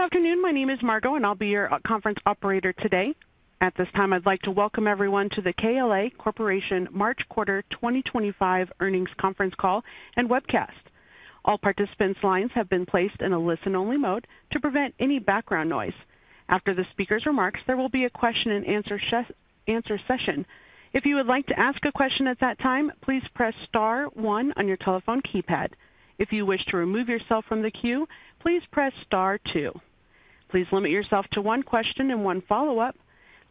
Good afternoon. My name is Margo, and I'll be your conference operator today. At this time, I'd like to welcome everyone to the KLA Corporation March Quarter 2025 Earnings Conference Call and Webcast. All participants' lines have been placed in a listen only mode to prevent any background noise. After the speaker's remarks, there will be a question and answer session. If you would like to ask a question at that time, please press star one on your telephone keypad. If you wish to remove yourself from the queue, please press star two. Please limit yourself to one question and one follow-up.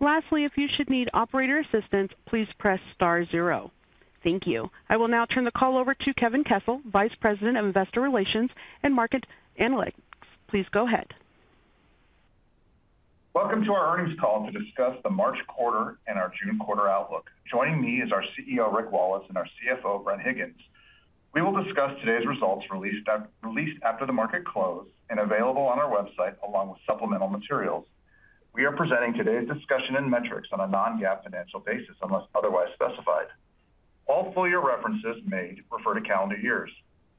Lastly, if you should need operator assistance, please press star zero. Thank you. I will now turn the call over to Kevin Kessel, Vice President of Investor Relations and Market Analytics. Please go ahead. Welcome to our earnings call to discuss the March quarter and our June quarter outlook. Joining me is our CEO, Rick Wallace, and our CFO, Bren Higgins. We will discuss today's results released after the market close and available on our website, along with supplemental materials. We are presenting today's discussion and metrics on a non-GAAP financial basis unless otherwise specified. All full-year references made refer to calendar years.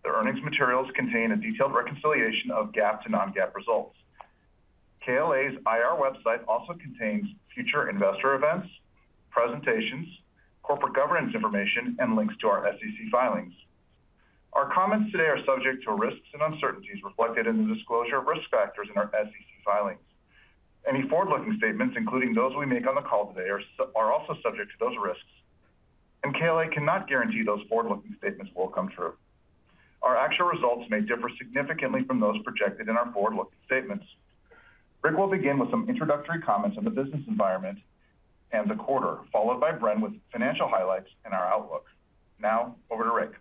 The earnings materials contain a detailed reconciliation of GAAP to non-GAAP results. KLA's IR website also contains future investor events, presentations, corporate governance information, and links to our SEC filings. Our comments today are subject to risks and uncertainties reflected in the disclosure of risk factors in our SEC filings. Any forward-looking statements, including those we make on the call today, are also subject to those risks, and KLA cannot guarantee those forward-looking statements will come true. Our actual results may differ significantly from those projected in our forward-looking statements. Rick will begin with some introductory comments on the business environment and the quarter, followed by Bren with financial highlights and our outlook. Now, over to Rick.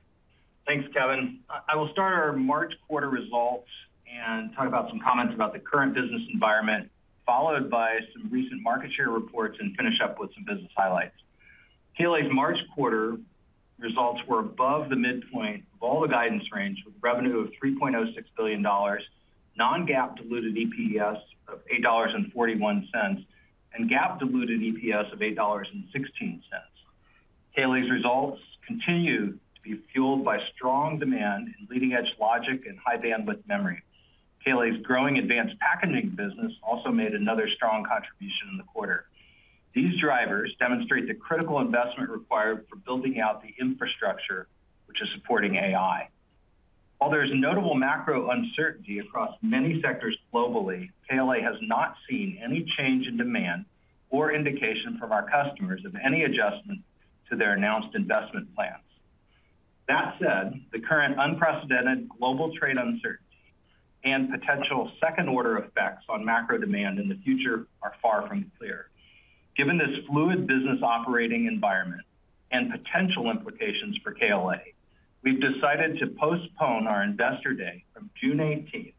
Thanks, Kevin. I will start our March Quarter results and talk about some comments about the current business environment, followed by some recent market share reports, and finish up with some business highlights. KLA's March Quarter results were above the midpoint of all the guidance range, with revenue of $3.06 billion, non-GAAP diluted EPS of $8.41, and GAAP diluted EPS of $8.16. KLA's results continue to be fueled by strong demand in leading-edge logic and high-bandwidth memory. KLA's growing advanced packaging business also made another strong contribution in the quarter. These drivers demonstrate the critical investment required for building out the infrastructure which is supporting AI. While there's notable macro uncertainty across many sectors globally, KLA has not seen any change in demand or indication from our customers of any adjustment to their announced investment plans. That said, the current unprecedented global trade uncertainty and potential second-order effects on macro demand in the future are far from clear. Given this fluid business operating environment and potential implications for KLA, we've decided to postpone our investor day from June 18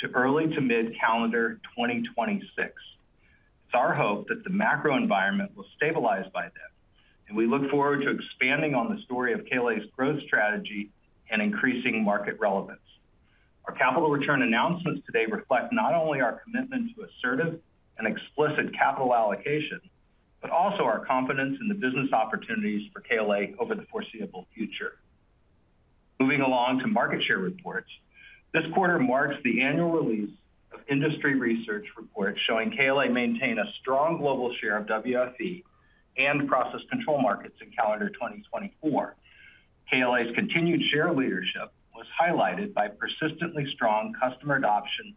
to early to mid-calendar 2026. It's our hope that the macro environment will stabilize by then, and we look forward to expanding on the story of KLA's growth strategy and increasing market relevance. Our capital return announcements today reflect not only our commitment to assertive and explicit capital allocation, but also our confidence in the business opportunities for KLA over the foreseeable future. Moving along to market share reports, this quarter marks the annual release of industry research reports showing KLA maintain a strong global share of WFE and process control markets in calendar 2024. KLA's continued share leadership was highlighted by persistently strong customer adoption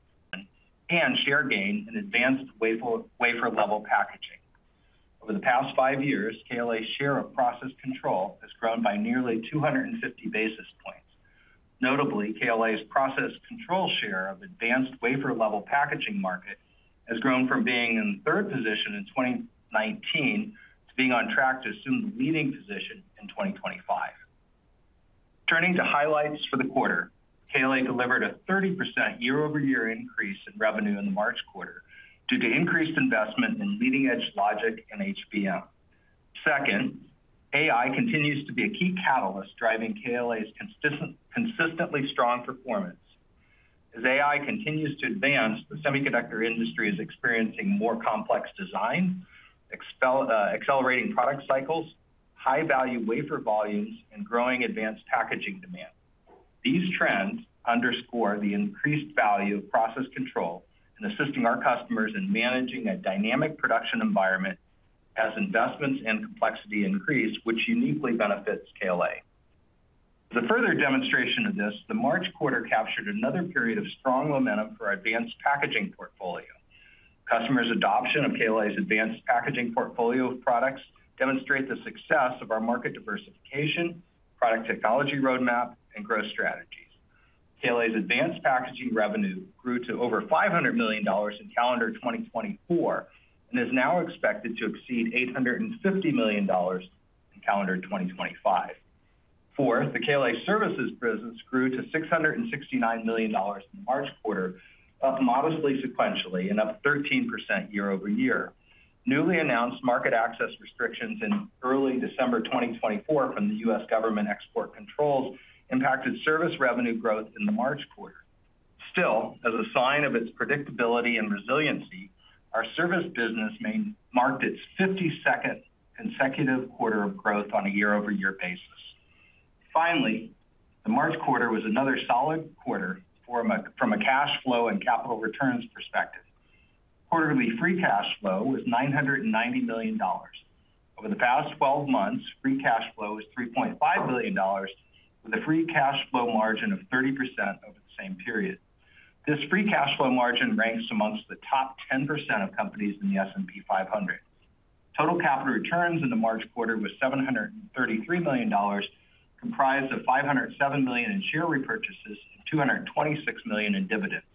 and share gain in advanced wafer-level packaging. Over the past five years, KLA's share of process control has grown by nearly 250 basis points. Notably, KLA's process control share of advanced wafer-level packaging market has grown from being in third position in 2019 to being on track to assume the leading position in 2025. Turning to highlights for the quarter, KLA delivered a 30% year over year increase in revenue in the March quarter due to increased investment in leading-edge logic and HBM. Second, AI continues to be a key catalyst driving KLA's consistently strong performance. As AI continues to advance, the semiconductor industry is experiencing more complex design, accelerating product cycles, high-value wafer volumes, and growing advanced packaging demand. These trends underscore the increased value of process control in assisting our customers in managing a dynamic production environment as investments and complexity increase, which uniquely benefits KLA. As a further demonstration of this, the March quarter captured another period of strong momentum for our advanced packaging portfolio. Customers' adoption of KLA's advanced packaging portfolio of products demonstrates the success of our market diversification, product technology roadmap, and growth strategies. KLA's advanced packaging revenue grew to over $500 million in calendar 2024 and is now expected to exceed $850 million in calendar 2025. Fourth, the KLA services business grew to $669 million in the March quarter, up modestly sequentially and up 13% year over year. Newly announced market access restrictions in early December 2024 from the U.S. government export controls impacted service revenue growth in the March quarter. Still, as a sign of its predictability and resiliency, our service business marked its 52nd consecutive quarter of growth on a year over year basis. Finally, the March quarter was another solid quarter from a cash flow and capital returns perspective. Quarterly free cash flow was $990 million. Over the past 12 months, free cash flow was $3.5 billion, with a free cash flow margin of 30% over the same period. This free cash flow margin ranks amongst the top 10% of companies in the S&P 500. Total capital returns in the March quarter was $733 million, comprised of $507 million in share repurchases and $226 million in dividends.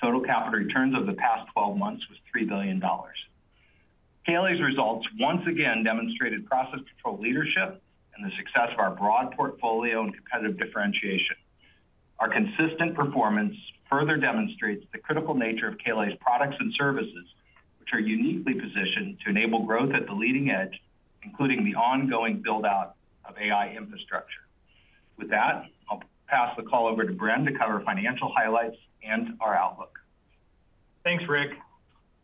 Total capital returns over the past 12 months was $3 billion. KLA's results once again demonstrated process control leadership and the success of our broad portfolio and competitive differentiation. Our consistent performance further demonstrates the critical nature of KLA's products and services, which are uniquely positioned to enable growth at the leading edge, including the ongoing build-out of AI infrastructure. With that, I'll pass the call over to Bren to cover financial highlights and our outlook. Thanks, Rick.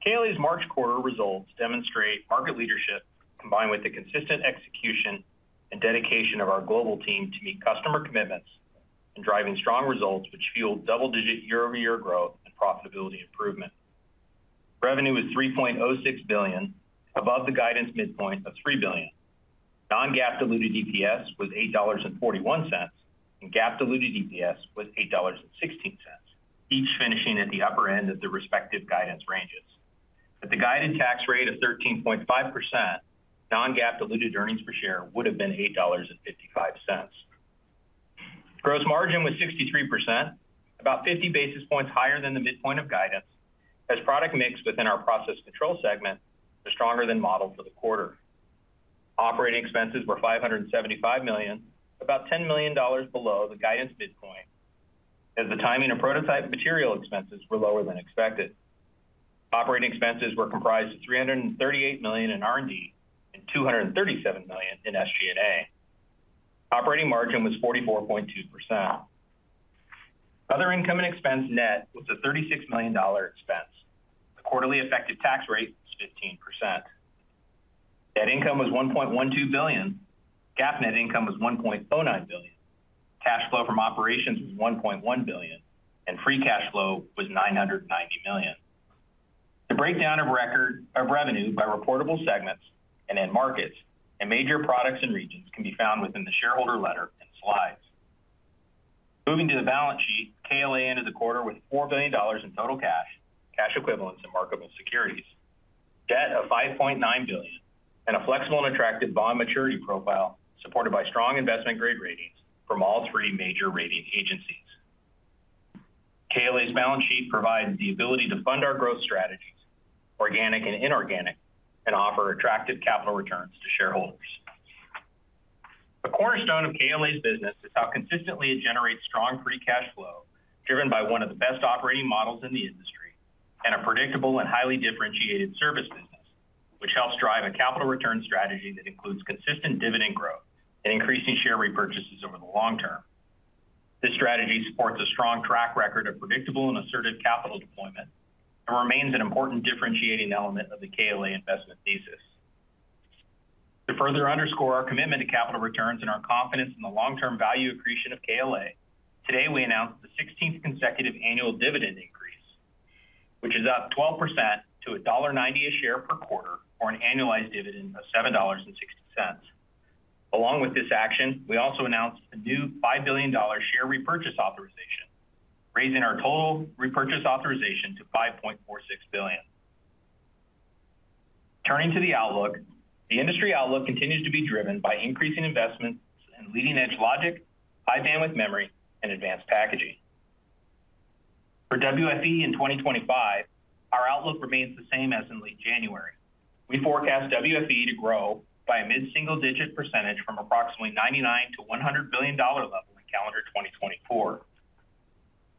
KLA's March quarter results demonstrate market leadership combined with the consistent execution and dedication of our global team to meet customer commitments and driving strong results, which fueled double-digit year over year growth and profitability improvement. Revenue was $3.06 billion, above the guidance midpoint of $3 billion. Non-GAAP diluted EPS was $8.41, and GAAP diluted EPS was $8.16, each finishing at the upper end of the respective guidance ranges. At the guided tax rate of 13.5%, non-GAAP diluted earnings per share would have been $8.55. Gross margin was 63%, about 50 basis points higher than the midpoint of guidance, as product mix within our process control segment was stronger than modeled for the quarter. Operating expenses were $575 million, about $10 million below the guidance midpoint, as the timing of prototype material expenses were lower than expected. Operating expenses were comprised of $338 million in R&D and $237 million in SG&A. Operating margin was 44.2%. Other income and expense net was a $36 million expense. The quarterly effective tax rate was 15%. Net income was $1.12 billion. GAAP net income was $1.09 billion. Cash flow from operations was $1.1 billion, and free cash flow was $990 million. The breakdown of revenue by reportable segments and markets and major products and regions can be found within the shareholder letter and slides. Moving to the balance sheet, KLA ended the quarter with $4 billion in total cash, cash equivalents, and marketable securities, debt of $5.9 billion, and a flexible and attractive bond maturity profile supported by strong investment-grade ratings from all three major rating agencies. KLA's balance sheet provides the ability to fund our growth strategies, organic and inorganic, and offer attractive capital returns to shareholders. A cornerstone of KLA's business is how consistently it generates strong free cash flow driven by one of the best operating models in the industry and a predictable and highly differentiated service business, which helps drive a capital return strategy that includes consistent dividend growth and increasing share repurchases over the long term. This strategy supports a strong track record of predictable and assertive capital deployment and remains an important differentiating element of the KLA investment thesis. To further underscore our commitment to capital returns and our confidence in the long-term value accretion of KLA, today we announced the 16th consecutive annual dividend increase, which is up 12% to $1.90 a share per quarter for an annualized dividend of $7.60. Along with this action, we also announced a new $5 billion share repurchase authorization, raising our total repurchase authorization to $5.46 billion. Turning to the outlook, the industry outlook continues to be driven by increasing investments in leading-edge logic, high-bandwidth memory, and advanced packaging. For WFE in 2025, our outlook remains the same as in late January. We forecast WFE to grow by a mid-single-digit percentage from approximately $99 to $100 billion level in calendar 2024.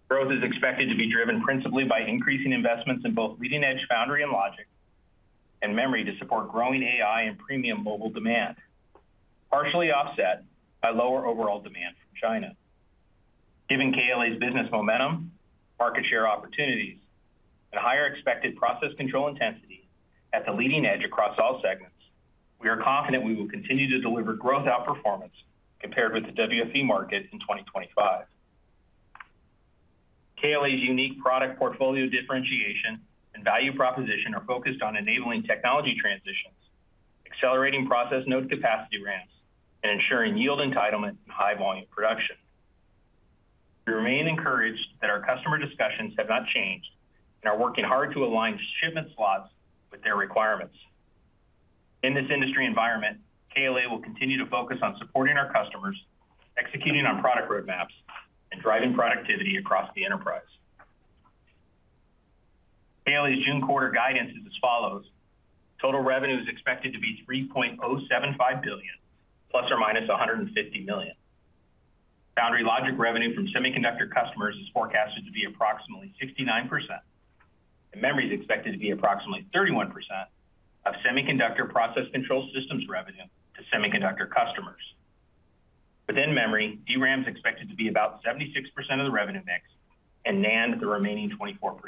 Growth is expected to be driven principally by increasing investments in both leading-edge foundry and logic and memory to support growing AI and premium mobile demand, partially offset by lower overall demand from China. Given KLA's business momentum, market share opportunities, and higher expected process control intensity at the leading edge across all segments, we are confident we will continue to deliver growth outperformance compared with the WFE market in 2025. KLA's unique product portfolio differentiation and value proposition are focused on enabling technology transitions, accelerating process node capacity ramps, and ensuring yield entitlement in high-volume production. We remain encouraged that our customer discussions have not changed and are working hard to align shipment slots with their requirements. In this industry environment, KLA will continue to focus on supporting our customers, executing on product roadmaps, and driving productivity across the enterprise. KLA's June quarter guidance is as follows: total revenue is expected to be $3.075 billion, plus or minus $150 million. Foundry logic revenue from semiconductor customers is forecasted to be approximately 69%, and memory is expected to be approximately 31% of semiconductor process control systems revenue to semiconductor customers. Within memory, DRAM is expected to be about 76% of the revenue mix and NAND the remaining 24%.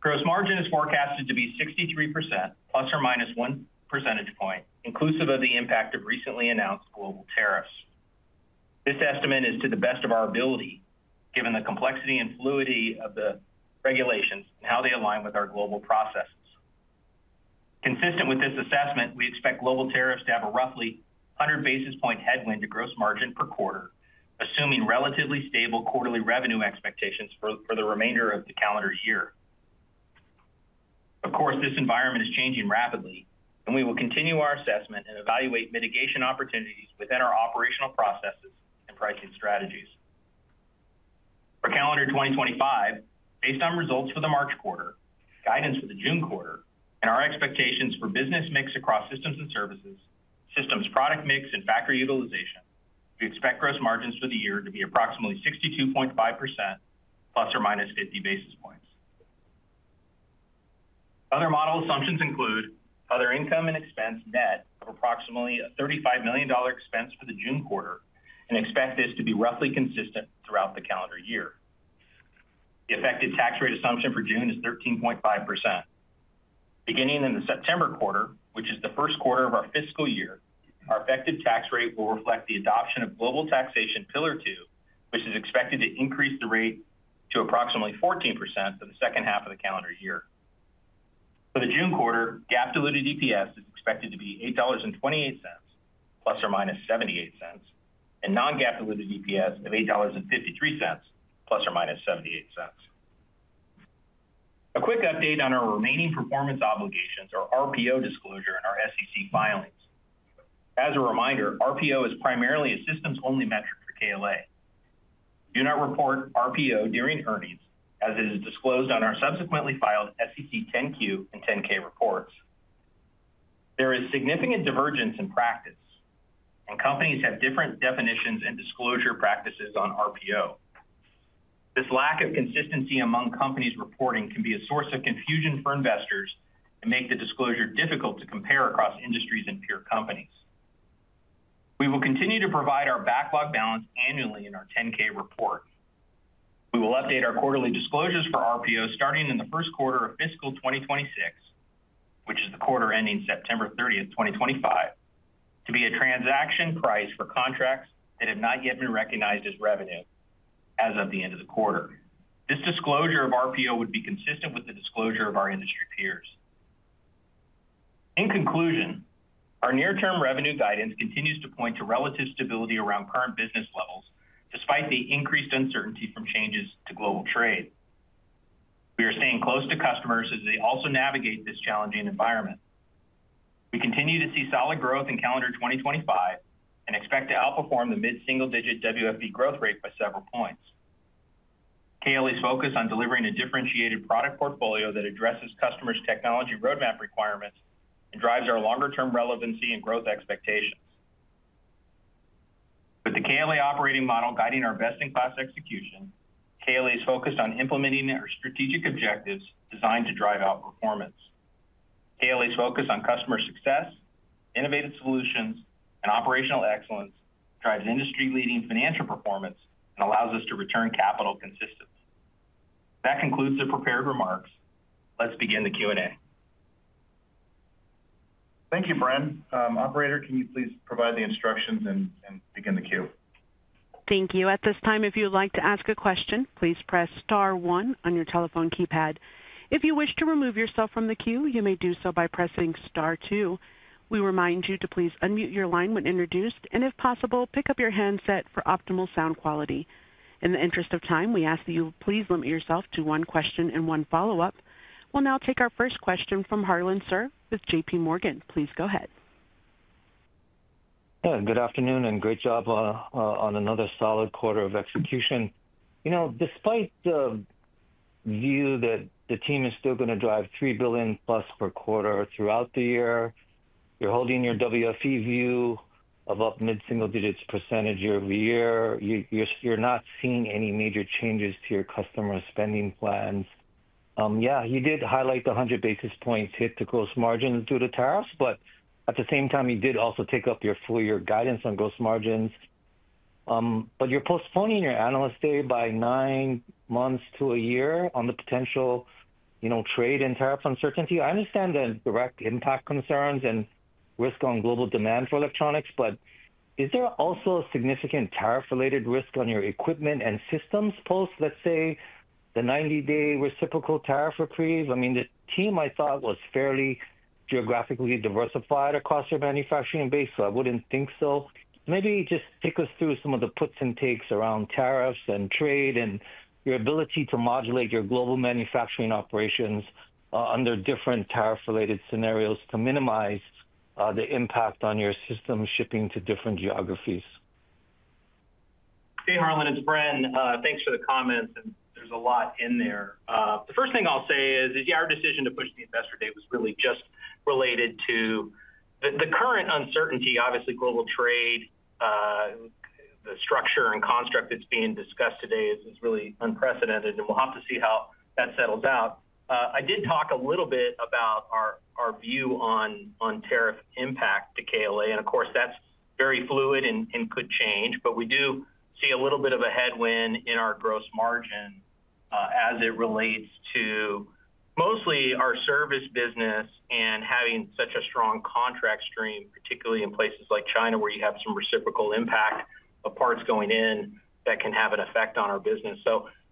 Gross margin is forecasted to be 63%, plus or minus 1 percentage point, inclusive of the impact of recently announced global tariffs. This estimate is to the best of our ability, given the complexity and fluidity of the regulations and how they align with our global processes. Consistent with this assessment, we expect global tariffs to have a roughly 100 basis point headwind to gross margin per quarter, assuming relatively stable quarterly revenue expectations for the remainder of the calendar year. Of course, this environment is changing rapidly, and we will continue our assessment and evaluate mitigation opportunities within our operational processes and pricing strategies. For calendar 2025, based on results for the March quarter, guidance for the June quarter, and our expectations for business mix across systems and services, systems product mix, and factory utilization, we expect gross margins for the year to be approximately 62.5%, plus or minus 50 basis points. Other model assumptions include other income and expense net of approximately a $35 million expense for the June quarter, and expect this to be roughly consistent throughout the calendar year. The effective tax rate assumption for June is 13.5%. Beginning in the September quarter, which is the first quarter of our fiscal year, our effective tax rate will reflect the adoption of global taxation pillar two, which is expected to increase the rate to approximately 14% for the second half of the calendar year. For the June quarter, GAAP diluted EPS is expected to be $8.28, plus or minus $0.78, and non-GAAP diluted EPS of $8.53, plus or minus $0.78. A quick update on our remaining performance obligations, our RPO disclosure, and our SEC filings. As a reminder, RPO is primarily a systems-only metric for KLA. Do not report RPO during earnings, as it is disclosed on our subsequently filed SEC 10Q and 10K reports. There is significant divergence in practice, and companies have different definitions and disclosure practices on RPO. This lack of consistency among companies reporting can be a source of confusion for investors and make the disclosure difficult to compare across industries and peer companies. We will continue to provide our backlog balance annually in our 10K report. We will update our quarterly disclosures for RPO starting in the first quarter of fiscal 2026, which is the quarter ending September 30, 2025, to be a transaction price for contracts that have not yet been recognized as revenue as of the end of the quarter. This disclosure of RPO would be consistent with the disclosure of our industry peers. In conclusion, our near-term revenue guidance continues to point to relative stability around current business levels, despite the increased uncertainty from changes to global trade. We are staying close to customers as they also navigate this challenging environment. We continue to see solid growth in calendar 2025 and expect to outperform the mid-single-digit WFE growth rate by several points. KLA's focus on delivering a differentiated product portfolio that addresses customers' technology roadmap requirements and drives our longer-term relevancy and growth expectations. With the KLA operating model guiding our best-in-class execution, KLA is focused on implementing our strategic objectives designed to drive outperformance. KLA's focus on customer success, innovative solutions, and operational excellence drives industry-leading financial performance and allows us to return capital consistently. That concludes the prepared remarks. Let's begin the Q and A. Thank you, Bren. Operator, can you please provide the instructions and begin the queue? Thank you. At this time, if you would like to ask a question, please press star one on your telephone keypad. If you wish to remove yourself from the queue, you may do so by pressing star two. We remind you to please unmute your line when introduced, and if possible, pick up your handset for optimal sound quality. In the interest of time, we ask that you please limit yourself to one question and one follow-up. We'll now take our first question from Harlan Sur with JP Morgan. Please go ahead. Good afternoon and great job on another solid quarter of execution. Despite the view that the team is still going to drive $3 billion plus per quarter throughout the year, you're holding your WFE view of up mid-single-digits % year over year. You're not seeing any major changes to your customer spending plans. Yeah, you did highlight the 100 basis points hit to gross margins due to tariffs, but at the same time, you did also take up your full-year guidance on gross margins. You're postponing your analyst day by nine months to a year on the potential trade and tariff uncertainty. I understand the direct impact concerns and risk on global demand for electronics, but is there also a significant tariff-related risk on your equipment and systems post, let's say, the 90-day reciprocal tariff reprieve? I mean, the team I thought was fairly geographically diversified across your manufacturing base, so I would not think so. Maybe just take us through some of the puts and takes around tariffs and trade and your ability to modulate your global manufacturing operations under different tariff-related scenarios to minimize the impact on your system shipping to different geographies. Hey, Harlan, it's Bren. Thanks for the comments, and there's a lot in there. The first thing I'll say is, yeah, our decision to push the investor day was really just related to the current uncertainty. Obviously, global trade, the structure and construct that's being discussed today is really unprecedented, and we'll have to see how that settles out. I did talk a little bit about our view on tariff impact to KLA, and of course, that's very fluid and could change, but we do see a little bit of a headwind in our gross margin as it relates to mostly our service business and having such a strong contract stream, particularly in places like China where you have some reciprocal impact of parts going in that can have an effect on our business.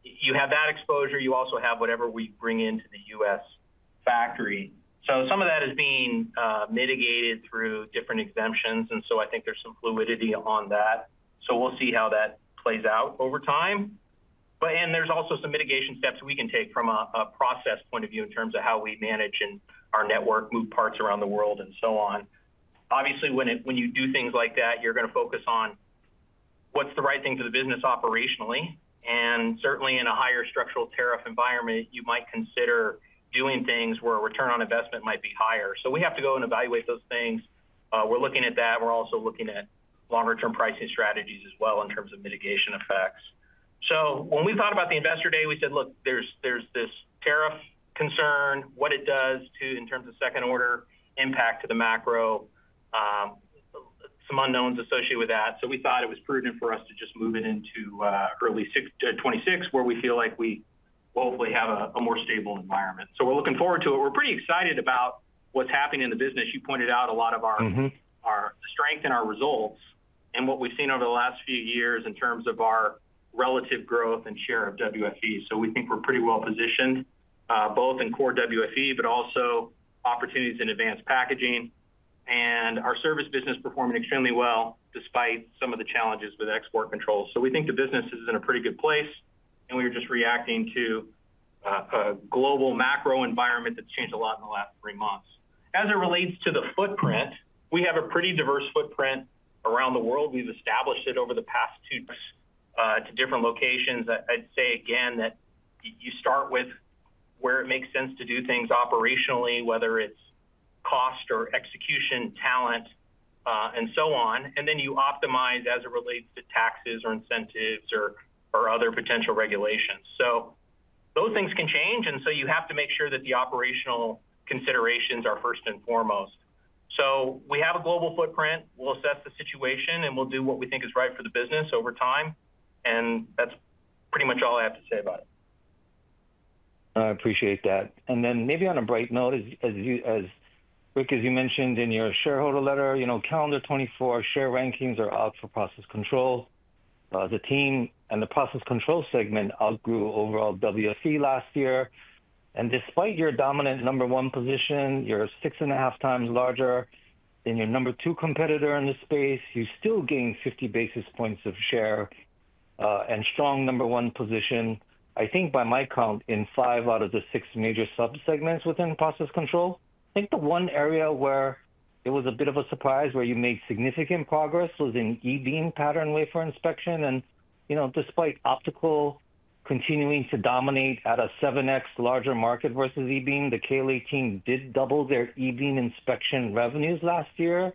You have that exposure. You also have whatever we bring into the U.S. factory. Some of that is being mitigated through different exemptions, and I think there's some fluidity on that. We will see how that plays out over time. There are also some mitigation steps we can take from a process point of view in terms of how we manage in our network, move parts around the world, and so on. Obviously, when you do things like that, you are going to focus on what is the right thing for the business operationally. Certainly, in a higher structural tariff environment, you might consider doing things where return on investment might be higher. We have to go and evaluate those things. We are looking at that. We are also looking at longer-term pricing strategies as well in terms of mitigation effects. When we thought about the investor day, we said, "Look, there's this tariff concern, what it does in terms of second-order impact to the macro, some unknowns associated with that." We thought it was prudent for us to just move it into early 2026 where we feel like we hopefully have a more stable environment. We're looking forward to it. We're pretty excited about what's happening in the business. You pointed out a lot of our strength and our results and what we've seen over the last few years in terms of our relative growth and share of WFE. We think we're pretty well positioned both in core WFE, but also opportunities in advanced packaging. Our service business is performing extremely well despite some of the challenges with export controls. We think the business is in a pretty good place, and we are just reacting to a global macro environment that's changed a lot in the last three months. As it relates to the footprint, we have a pretty diverse footprint around the world. We've established it over the past two years to different locations. I'd say, again, that you start with where it makes sense to do things operationally, whether it's cost or execution, talent, and so on, and then you optimize as it relates to taxes or incentives or other potential regulations. Those things can change, and you have to make sure that the operational considerations are first and foremost. We have a global footprint. We'll assess the situation, and we'll do what we think is right for the business over time. That's pretty much all I have to say about it. I appreciate that. Maybe on a bright note, as you mentioned in your shareholder letter, calendar 2024, share rankings are up for process control. The team and the process control segment outgrew overall WFE last year. Despite your dominant number one position, you are six and a half times larger than your number two competitor in the space. You still gain 50 basis points of share and strong number one position. I think by my count, in five out of the six major subsegments within process control, the one area where it was a bit of a surprise where you made significant progress was in E-beam pattern wafer inspection. Despite Optical continuing to dominate at a 7x larger market versus e-beam, the KLA team did double their e-beam inspection revenues last year.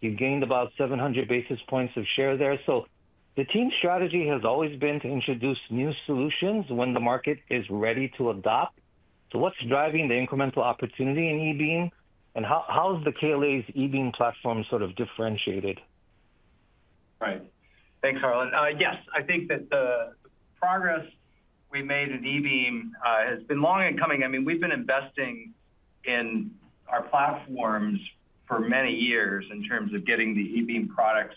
You gained about 700 basis points of share there. The team's strategy has always been to introduce new solutions when the market is ready to adopt. What's driving the incremental opportunity in E-beam, and how is KLA's E-beam platform sort of differentiated? Right. Thanks, Harlan. Yes, I think that the progress we made in E-beam has been long in coming. I mean, we've been investing in our platforms for many years in terms of getting the E-beam products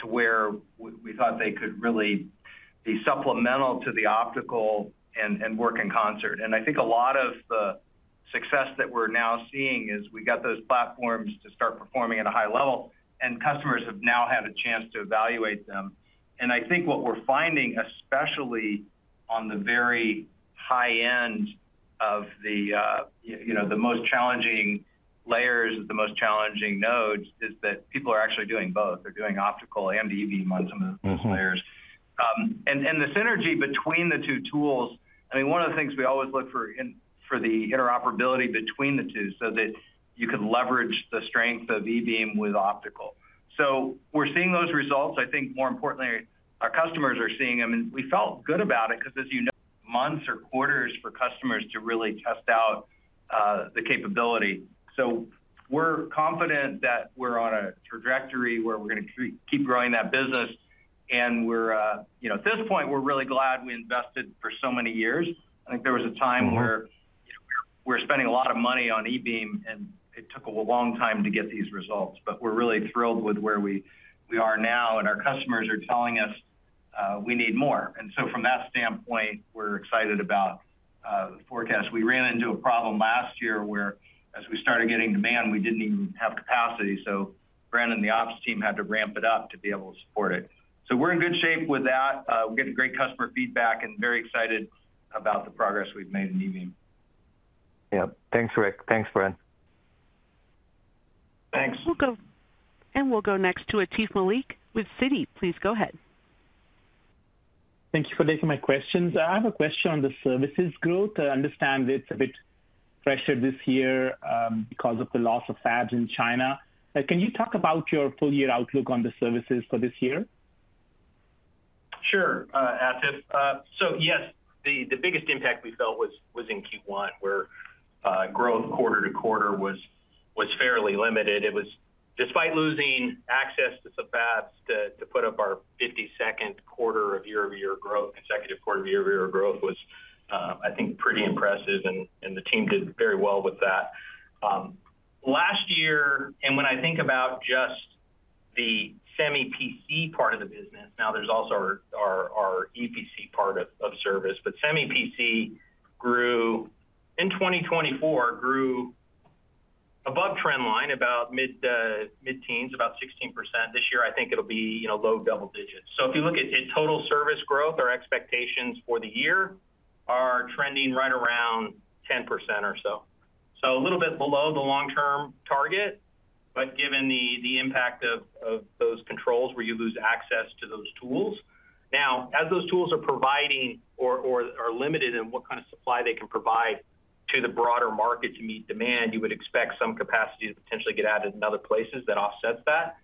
to where we thought they could really be supplemental to the Optical and work in concert. I think a lot of the success that we're now seeing is we got those platforms to start performing at a high level, and customers have now had a chance to evaluate them. I think what we're finding, especially on the very high end of the most challenging layers, the most challenging nodes, is that people are actually doing both. They're doing Optical and E-beam on some of those layers. The synergy between the two tools, I mean, one of the things we always look for is the interoperability between the two so that you could leverage the strength of E-beam with Optical. We are seeing those results. I think more importantly, our customers are seeing them. We felt good about it because, as you know, it takes months or quarters for customers to really test out the capability. We are confident that we are on a trajectory where we are going to keep growing that business. At this point, we are really glad we invested for so many years. I think there was a time where we were spending a lot of money on E-beam, and it took a long time to get these results. We are really thrilled with where we are now, and our customers are telling us we need more. From that standpoint, we're excited about the forecast. We ran into a problem last year where, as we started getting demand, we didn't even have capacity. Bren and the ops team had to ramp it up to be able to support it. We're in good shape with that. We get great customer feedback and very excited about the progress we've made in E-beam. Yep. Thanks, Rick. Thanks, Bren. Thanks. We'll go next to Atif Malik with Citi. Please go ahead. Thank you for taking my questions. I have a question on the services growth. I understand it's a bit pressured this year because of the loss of fabs in China. Can you talk about your full-year outlook on the services for this year? Sure, Atif. Yes, the biggest impact we felt was in Q1, where growth quarter to quarter was fairly limited. Despite losing access to some fabs to put up our 52nd quarter of year-over-year growth, consecutive quarter of year-over-year growth was, I think, pretty impressive, and the team did very well with that. Last year, and when I think about just the Semi-PC part of the business, now there's also our EPC part of service. Semi-PC grew in 2024, grew above trend line, about mid-teens, about 16%. This year, I think it'll be low double digits. If you look at total service growth, our expectations for the year are trending right around 10% or so. A little bit below the long-term target, but given the impact of those controls where you lose access to those tools. Now, as those tools are providing or are limited in what kind of supply they can provide to the broader market to meet demand, you would expect some capacity to potentially get added in other places that offsets that.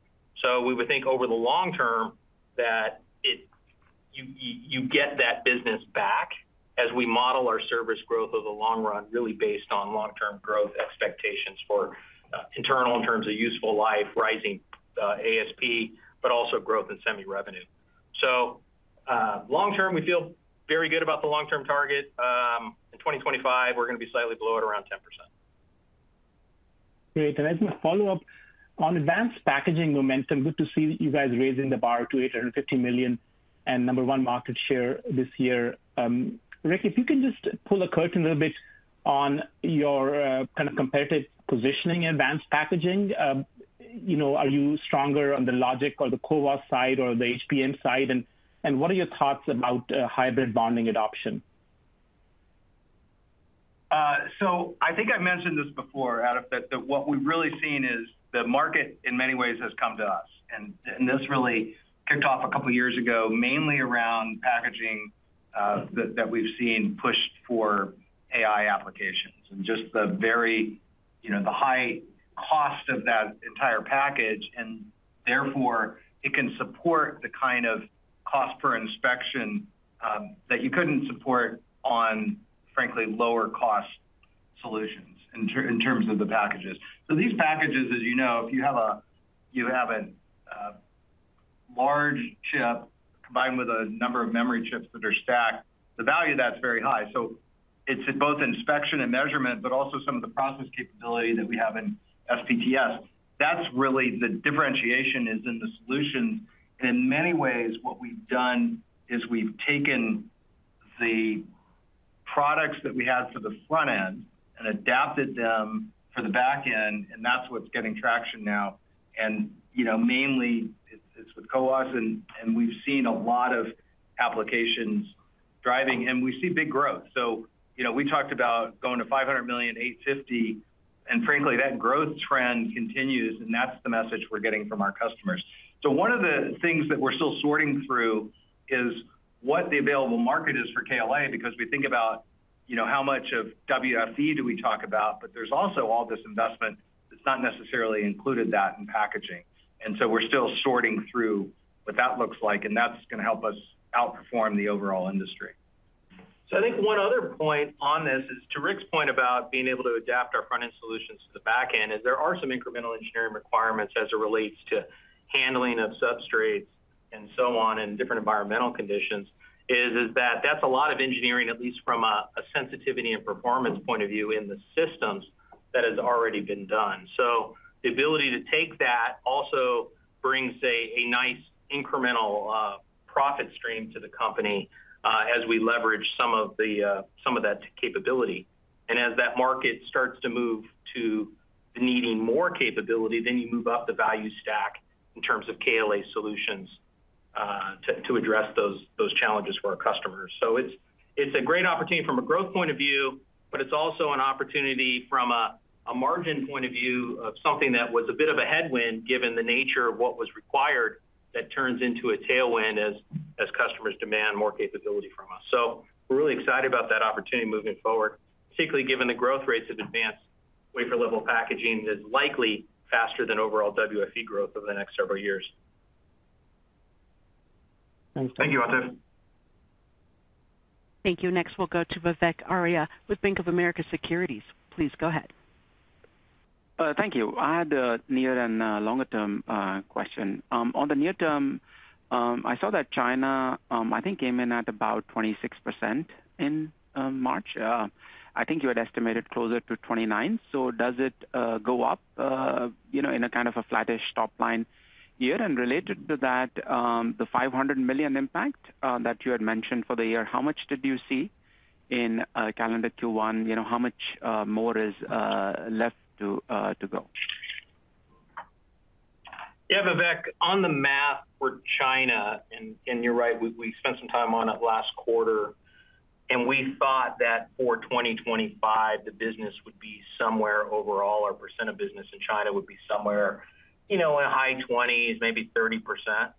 You would think over the long term that you get that business back as we model our service growth over the long run, really based on long-term growth expectations for internal in terms of useful life, rising ASP, but also growth in semi-revenue. Long term, we feel very good about the long-term target. In 2025, we're going to be slightly below it, around 10%. Great. As a follow-up on advanced packaging momentum, good to see you guys raising the bar to $850 million and number one market share this year. Rick, if you can just pull a curtain a little bit on your kind of competitive positioning in advanced packaging, are you stronger on the logic or the CoWoS Side or the HBM Side? What are your thoughts about hybrid bonding adoption? I think I mentioned this before, Atif, that what we've really seen is the market in many ways has come to us. This really kicked off a couple of years ago, mainly around packaging that we've seen pushed for AI applications and just the high cost of that entire package. Therefore, it can support the kind of cost per inspection that you couldn't support on, frankly, lower-cost solutions in terms of the packages. These packages, as you know, if you have a large chip combined with a number of memory chips that are stacked, the value of that's very high. It's both inspection and measurement, but also some of the process capability that we have in SPTS. That's really the differentiation is in the solutions. In many ways, what we've done is we've taken the products that we had for the front end and adapted them for the back end, and that's what's getting traction now. Mainly, it's with CoWoS, and we've seen a lot of applications driving, and we see big growth. We talked about going to $500 million, $850 million, and frankly, that growth trend continues, and that's the message we're getting from our customers. One of the things that we're still sorting through is what the available market is for KLA because we think about how much of WFE do we talk about, but there's also all this investment that's not necessarily included in packaging. We are still sorting through what that looks like, and that's going to help us outperform the overall industry. I think one other point on this is to Rick's point about being able to adapt our front-end solutions to the back end, is there are some incremental engineering requirements as it relates to handling of substrates and so on and different environmental conditions, is that that's a lot of engineering, at least from a sensitivity and performance point of view in the systems that has already been done. The ability to take that also brings, say, a nice incremental profit stream to the company as we leverage some of that capability. As that market starts to move to needing more capability, then you move up the value stack in terms of KLA solutions to address those challenges for our customers. It is a great opportunity from a growth point of view, but it is also an opportunity from a margin point of view of something that was a bit of a headwind given the nature of what was required that turns into a tailwind as customers demand more capability from us. We are really excited about that opportunity moving forward, particularly given the growth rates of advanced wafer-level packaging that is likely faster than overall WFE growth over the next several years. Thanks. Thank you, Atif. Thank you. Next, we'll go to Vivek Arya with Bank of America Securities. Please go ahead. Thank you. I had a near and longer-term question. On the near term, I saw that China, I think, came in at about 26% in March. I think you had estimated closer to 29%. Does it go up in a kind of a flattish top line year? Related to that, the $500 million impact that you had mentioned for the year, how much did you see in calendar Q1? How much more is left to go? Yeah, Vivek, on the math for China, and you're right, we spent some time on it last quarter, and we thought that for 2025, the business would be somewhere overall, our % of business in China would be somewhere in the high 20s, maybe 30%.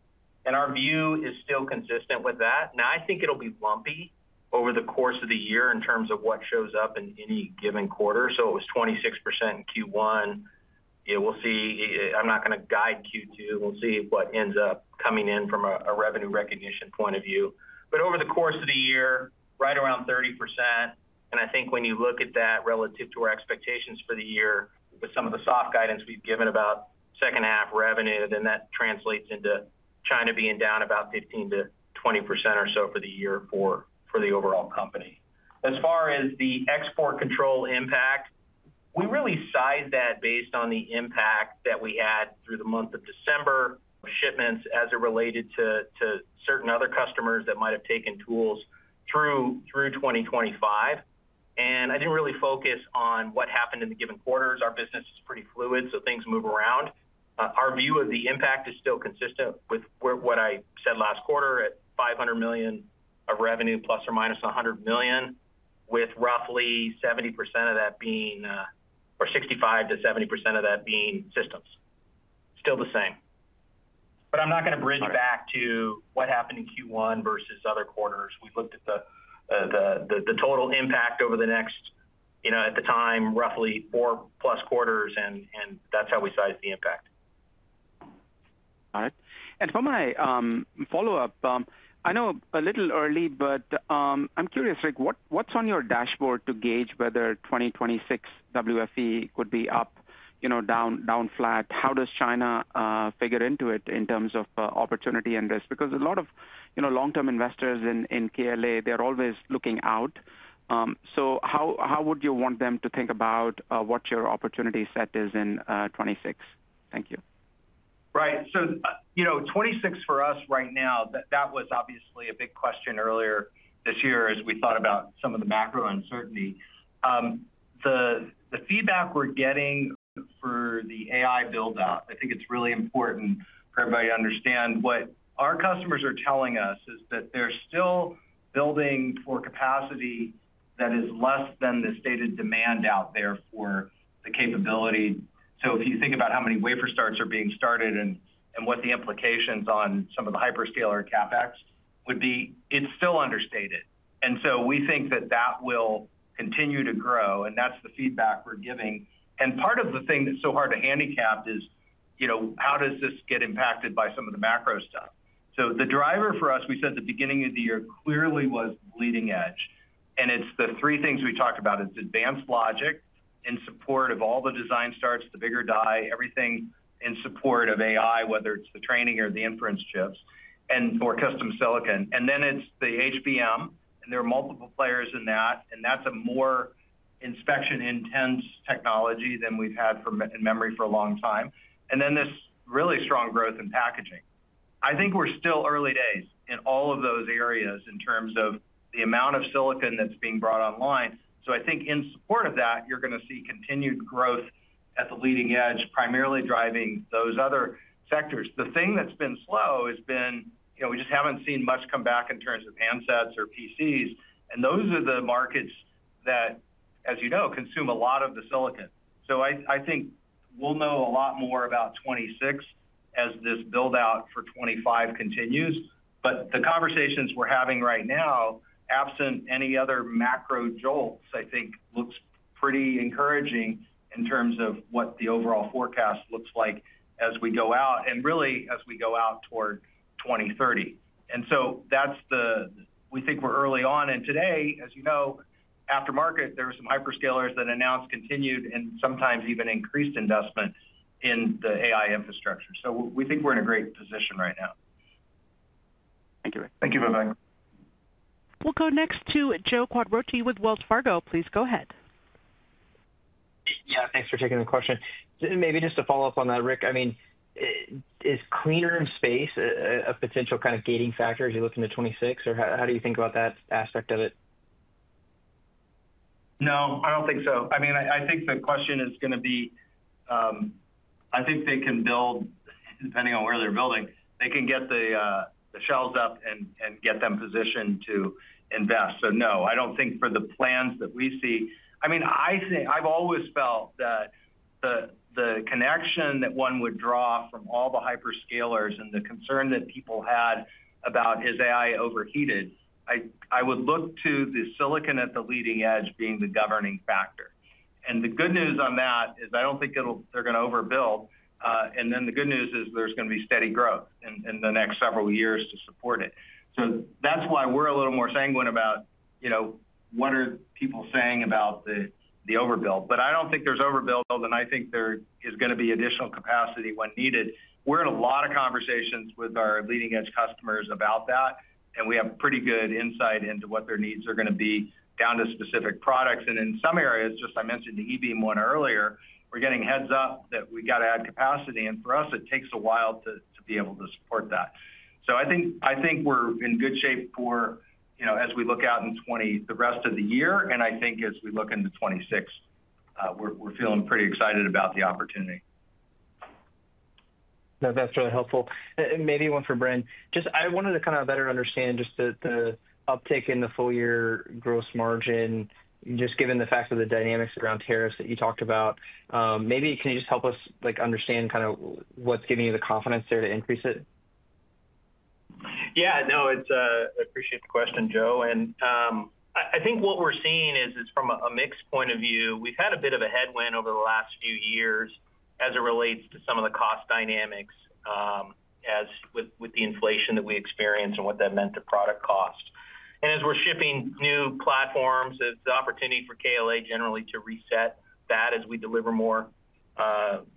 And our view is still consistent with that. Now, I think it'll be lumpy over the course of the year in terms of what shows up in any given quarter. It was 26% in Q1. We'll see. I'm not going to guide Q2. We'll see what ends up coming in from a revenue recognition point of view. Over the course of the year, right around 30%. I think when you look at that relative to our expectations for the year, with some of the soft guidance we have given about second-half revenue, that translates into China being down about 15% to 20% or so for the year for the overall company. As far as the export control impact, we really sized that based on the impact that we had through the month of December of shipments as it related to certain other customers that might have taken tools through 2025. I did not really focus on what happened in the given quarters. Our business is pretty fluid, so things move around. Our view of the impact is still consistent with what I said last quarter at $500 million of revenue, plus or minus $100 million, with roughly 65% to 70% of that being systems. Still the same. I'm not going to bridge back to what happened in Q1 versus other quarters. We looked at the total impact over the next, at the time, roughly four-plus quarters, and that's how we sized the impact. All right. For my follow-up, I know a little early, but I'm curious, Rick, what's on your dashboard to gauge whether 2026 WFE could be up, down, flat? How does China figure into it in terms of opportunity and risk? Because a lot of long-term investors in KLA, they're always looking out. How would you want them to think about what your opportunity set is in 2026? Thank you. Right. '26 for us right now, that was obviously a big question earlier this year as we thought about some of the macro uncertainty. The feedback we're getting for the AI build-out, I think it's really important for everybody to understand what our customers are telling us is that they're still building for capacity that is less than the stated demand out there for the capability. If you think about how many wafer starts are being started and what the implications on some of the hyperscaler CapEx would be, it's still understated. We think that that will continue to grow, and that's the feedback we're giving. Part of the thing that's so hard to handicap is how does this get impacted by some of the macro stuff? The driver for us, we said at the beginning of the year, clearly was leading edge. It is the three things we talked about. It is advanced logic in support of all the design starts, the bigger die, everything in support of AI, whether it is the training or the inference chips and/or custom silicon. It is the HBM, and there are multiple players in that. That is a more inspection-intense technology than we have had in memory for a long time. There is this really strong growth in packaging. I think we are still early days in all of those areas in terms of the amount of silicon that is being brought online. I think in support of that, you are going to see continued growth at the leading edge, primarily driving those other sectors. The thing that has been slow has been we just have not seen much come back in terms of handsets or PCs. Those are the markets that, as you know, consume a lot of the silicon. I think we'll know a lot more about 2026 as this build-out for 2025 continues. The conversations we're having right now, absent any other macro jolts, I think look pretty encouraging in terms of what the overall forecast looks like as we go out and really as we go out toward 2030. We think we're early on. Today, as you know, after market, there were some hyperscalers that announced continued and sometimes even increased investment in the AI infrastructure. We think we're in a great position right now. Thank you, Rick. Thank you, Vivek. We'll go next to Joe Quatrochi with Wells Fargo. Please go ahead. Yeah, thanks for taking the question. Maybe just to follow up on that, Rick, I mean, is cleaner space a potential kind of gating factor as you look into 2026, or how do you think about that aspect of it? No, I don't think so. I mean, I think the question is going to be I think they can build, depending on where they're building, they can get the shelves up and get them positioned to invest. No, I don't think for the plans that we see. I mean, I've always felt that the connection that one would draw from all the hyperscalers and the concern that people had about is AI overheated, I would look to the silicon at the leading edge being the governing factor. The good news on that is I don't think they're going to overbuild. The good news is there's going to be steady growth in the next several years to support it. That's why we're a little more sanguine about what are people saying about the overbuild. I do not think there is overbuild, and I think there is going to be additional capacity when needed. We are in a lot of conversations with our leading-edge customers about that, and we have pretty good insight into what their needs are going to be down to specific products. In some areas, just as I mentioned the E-beam one earlier, we are getting heads up that we have to add capacity. For us, it takes a while to be able to support that. I think we are in good shape as we look out into the rest of the year. I think as we look into 2026, we are feeling pretty excited about the opportunity. That's really helpful. Maybe one for Bren. I just wanted to kind of better understand just the uptake in the full-year gross margin, just given the fact of the dynamics around tariffs that you talked about. Maybe can you just help us understand kind of what's giving you the confidence there to increase it? Yeah, no, I appreciate the question, Joe. I think what we're seeing is from a mixed point of view, we've had a bit of a headwind over the last few years as it relates to some of the cost dynamics with the inflation that we experience and what that meant to product cost. As we're shipping new platforms, the opportunity for KLA generally to reset that as we deliver more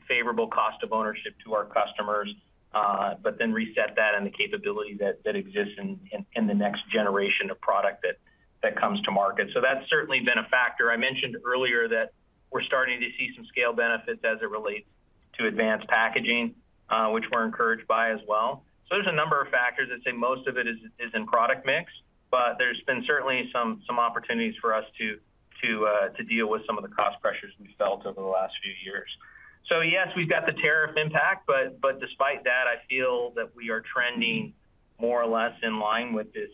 favorable cost of ownership to our customers, but then reset that and the capability that exists in the next generation of product that comes to market. That's certainly been a factor. I mentioned earlier that we're starting to see some scale benefits as it relates to advanced packaging, which we're encouraged by as well. There's a number of factors. I'd say most of it is in product mix, but there's been certainly some opportunities for us to deal with some of the cost pressures we've felt over the last few years. Yes, we've got the tariff impact, but despite that, I feel that we are trending more or less in line with this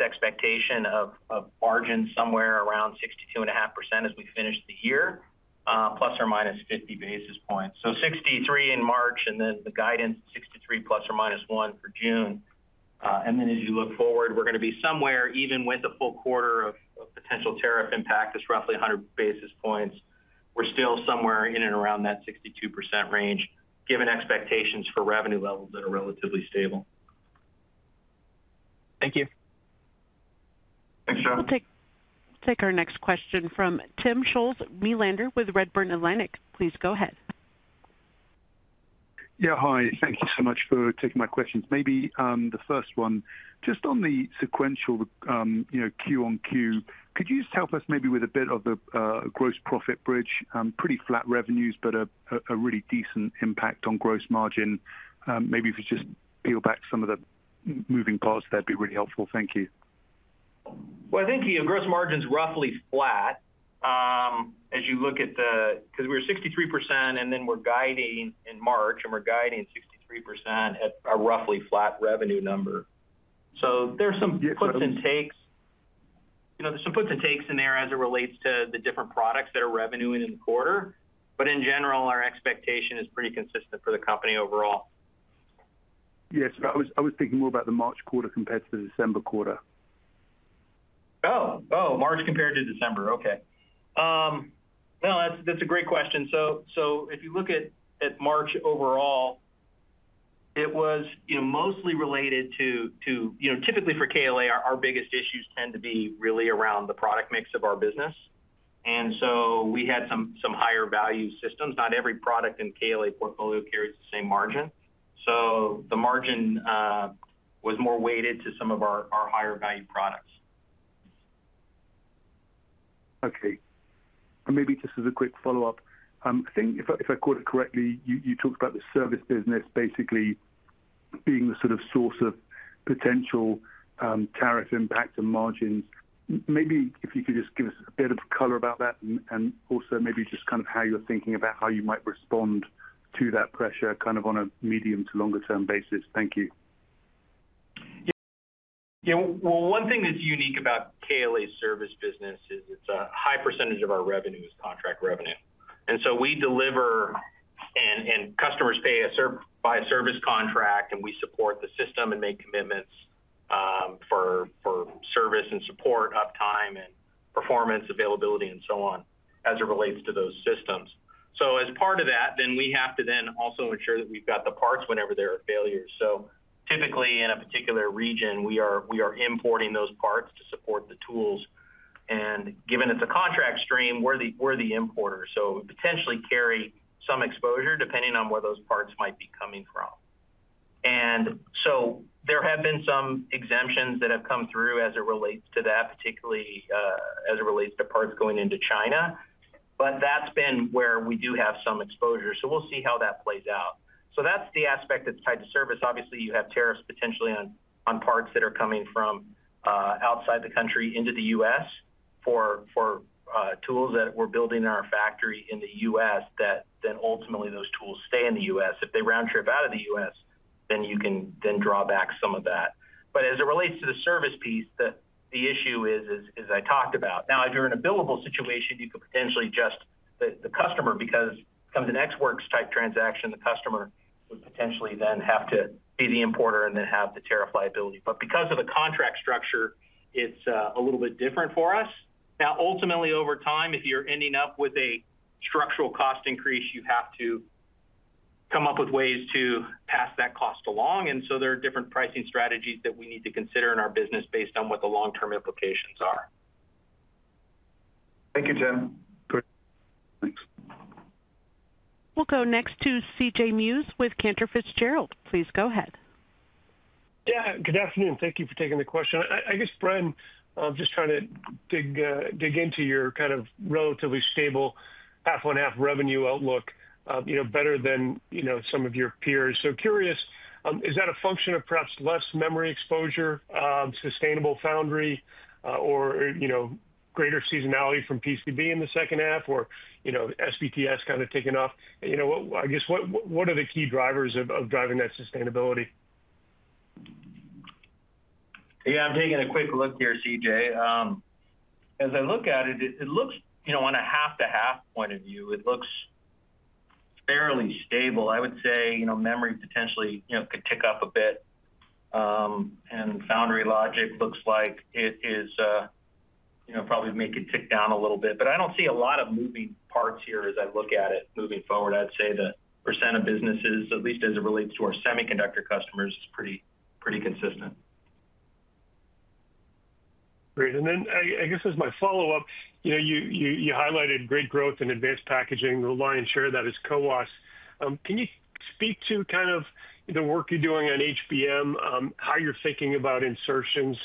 expectation of margin somewhere around 62.5% as we finish the year, plus or minus 50 basis points. 63% in March and then the guidance, 63% plus or minus 1% for June. As you look forward, we're going to be somewhere, even with a full quarter of potential tariff impact, it's roughly 100 basis points. We're still somewhere in and around that 62% range, given expectations for revenue levels that are relatively stable. Thank you. Thanks, Joe. We'll take our next question from Timm Schulze-Melander with Redburn Atlantic. Please go ahead. Yeah, hi. Thank you so much for taking my questions. Maybe the first one, just on the sequential QOQ, could you just help us maybe with a bit of the gross profit bridge? Pretty flat revenues, but a really decent impact on gross margin. Maybe if you just peel back some of the moving parts, that'd be really helpful. Thank you. I think your gross margin's roughly flat as you look at the because we were 63%, and then we're guiding in March, and we're guiding 63% at a roughly flat revenue number. There's some puts and takes. There's some puts and takes in there as it relates to the different products that are revenuing in the quarter. In general, our expectation is pretty consistent for the company overall. Yes, but I was thinking more about the March quarter compared to the December quarter. Oh, March compared to December. Okay. No, that's a great question. If you look at March overall, it was mostly related to typically for KLA, our biggest issues tend to be really around the product mix of our business. We had some higher value systems. Not every product in the KLA portfolio carries the same margin. The margin was more weighted to some of our higher value products. Okay. Maybe just as a quick follow-up, I think if I caught it correctly, you talked about the service business basically being the sort of source of potential tariff impact and margins. Maybe if you could just give us a bit of color about that and also maybe just kind of how you're thinking about how you might respond to that pressure kind of on a medium to longer-term basis. Thank you. Yeah. One thing that's unique about KLA's service business is it's a high percentage of our revenue is contract revenue. We deliver and customers buy a service contract, and we support the system and make commitments for service and support, uptime, and performance, availability, and so on as it relates to those systems. As part of that, we have to also ensure that we've got the parts whenever there are failures. Typically, in a particular region, we are importing those parts to support the tools. Given it's a contract stream, we're the importer. We potentially carry some exposure depending on where those parts might be coming from. There have been some exemptions that have come through as it relates to that, particularly as it relates to parts going into China. That's been where we do have some exposure. We will see how that plays out. That is the aspect that is tied to service. Obviously, you have tariffs potentially on parts that are coming from outside the country into the U.S. for tools that we are building in our factory in the U.S. that then ultimately those tools stay in the U.S. If they round trip out of the U.S., then you can then draw back some of that. As it relates to the service piece, the issue is, as I talked about, now, if you are in a billable situation, you could potentially just the customer, because it becomes an ex-works type transaction, the customer would potentially then have to be the importer and then have the tariff liability. Because of the contract structure, it is a little bit different for us. Now, ultimately, over time, if you're ending up with a structural cost increase, you have to come up with ways to pass that cost along. There are different pricing strategies that we need to consider in our business based on what the long-term implications are. Thank you, Tim. Great. Thanks. We'll go next to CJ Muse with Cantor Fitzgerald. Please go ahead. Yeah, good afternoon. Thank you for taking the question. I guess, Bren, I'm just trying to dig into your kind of relatively stable half-on-half revenue outlook better than some of your peers. Curious, is that a function of perhaps less memory exposure, sustainable foundry, or greater seasonality from PCB in the second half, or SPTS kind of taking off? I guess, what are the key drivers of driving that sustainability? Yeah, I'm taking a quick look here, CJ. As I look at it, it looks on a half-to-half point of view, it looks fairly stable. I would say memory potentially could tick up a bit. Foundry logic looks like it is probably making it tick down a little bit. I do not see a lot of moving parts here as I look at it moving forward. I'd say the % of businesses, at least as it relates to our semiconductor customers, is pretty consistent. Great. I guess as my follow-up, you highlighted great growth in advanced packaging. We will lie and share that as co-auths. Can you speak to kind of the work you are doing on HBM, how you are thinking about insertions?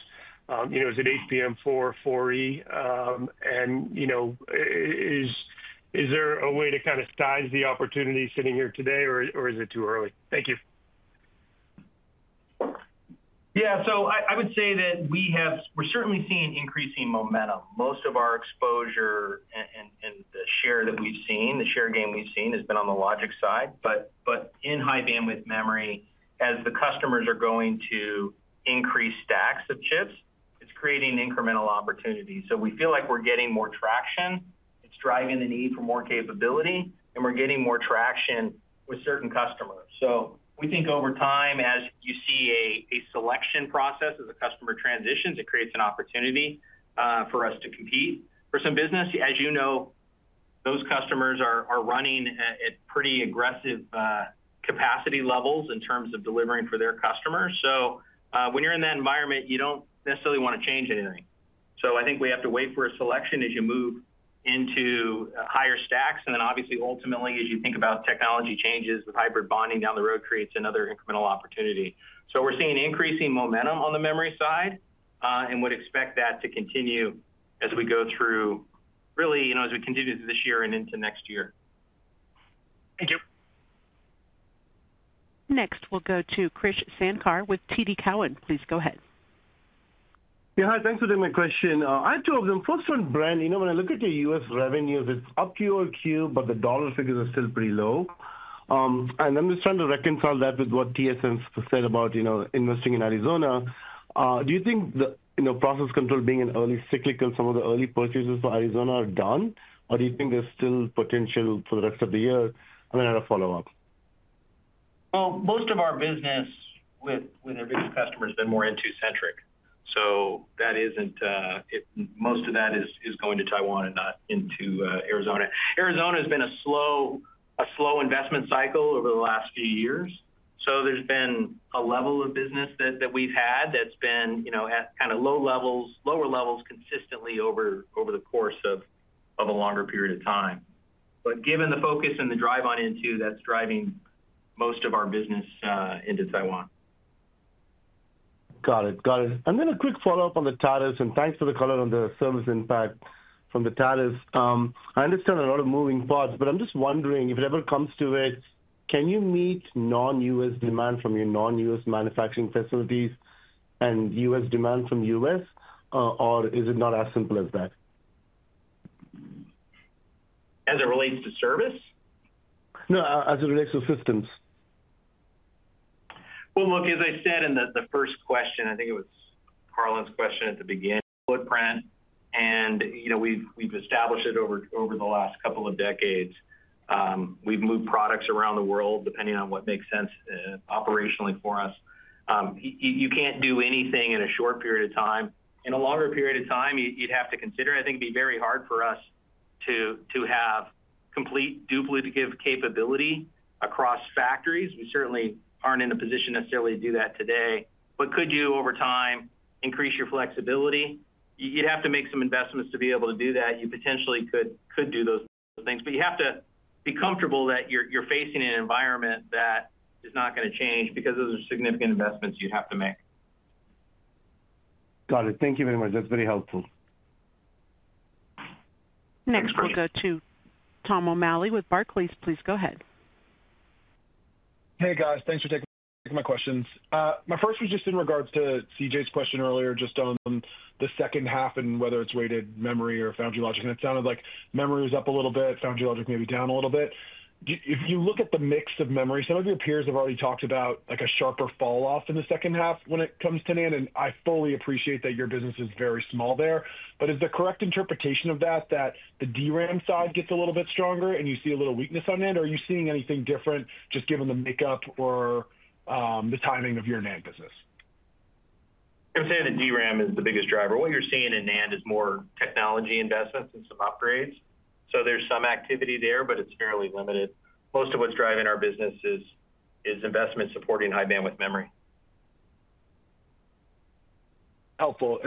Is it HBM4E? Is there a way to kind of size the opportunity sitting here today, or is it too early? Thank you. Yeah. I would say that we're certainly seeing increasing momentum. Most of our exposure and the share that we've seen, the share gain we've seen has been on the logic side. In high bandwidth memory, as the customers are going to increase stacks of chips, it's creating incremental opportunities. We feel like we're getting more traction. It's driving the need for more capability, and we're getting more traction with certain customers. We think over time, as you see a selection process, as a customer transitions, it creates an opportunity for us to compete for some business. As you know, those customers are running at pretty aggressive capacity levels in terms of delivering for their customers. When you're in that environment, you don't necessarily want to change anything. I think we have to wait for a selection as you move into higher stacks. Obviously, ultimately, as you think about technology changes with hybrid bonding down the road, it creates another incremental opportunity. We are seeing increasing momentum on the memory side and would expect that to continue as we go through, really, as we continue through this year and into next year. Thank you. Next, we'll go to Krish Sankar with TD Cowen. Please go ahead. Yeah, hi. Thanks for the question. I have two of them. First one, Bren, when I look at your U.S. revenues, it's up Q over Q, but the dollar figures are still pretty low. I'm just trying to reconcile that with what TSMC said about investing in Arizona. Do you think the process control being an early cyclical, some of the early purchases for Arizona are done, or do you think there's still potential for the rest of the year? I have a follow-up. Most of our business with our biggest customers has been more into centric. That is, most of that is going to Taiwan and not into Arizona. Arizona has been a slow investment cycle over the last few years. There has been a level of business that we have had that has been at kind of low levels, lower levels consistently over the course of a longer period of time. Given the focus and the drive on into, that is driving most of our business into Taiwan. Got it. Got it. A quick follow-up on the tariffs. Thanks for the color on the service impact from the tariffs. I understand a lot of moving parts, but I'm just wondering, if it ever comes to it, can you meet non-U.S. demand from your non-U.S. manufacturing facilities and U.S. demand from U.S., or is it not as simple as that? As it relates to service? No, as it relates to systems. As I said in the first question, I think it was Carla's question at the beginning. Footprint, and we've established it over the last couple of decades. We've moved products around the world depending on what makes sense operationally for us. You can't do anything in a short period of time. In a longer period of time, you'd have to consider. I think it'd be very hard for us to have complete duplicative capability across factories. We certainly aren't in a position necessarily to do that today. Could you over time increase your flexibility? You'd have to make some investments to be able to do that. You potentially could do those things. You have to be comfortable that you're facing an environment that is not going to change because those are significant investments you'd have to make. Got it. Thank you very much. That's very helpful. Next, we'll go to Tom O'Malley with Barclays. Please go ahead. Hey, guys. Thanks for taking my questions. My first was just in regards to CJ's question earlier just on the second half and whether it's weighted memory or foundry logic. It sounded like memory was up a little bit, foundry logic maybe down a little bit. If you look at the mix of memory, some of your peers have already talked about a sharper falloff in the second half when it comes to NAND, and I fully appreciate that your business is very small there. Is the correct interpretation of that that the DRAM side gets a little bit stronger and you see a little weakness on NAND? Or are you seeing anything different just given the makeup or the timing of your NAND business? I would say the DRAM is the biggest driver. What you're seeing in NAND is more technology investments and some upgrades. There's some activity there, but it's fairly limited. Most of what's driving our business is investment supporting high-bandwidth memory. Helpful.